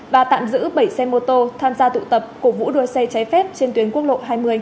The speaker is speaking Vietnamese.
và tạm giữ bảy xe mô tô tham gia tụ tập cổ vũ đua xe trái phép trên tuyến quốc lộ hai mươi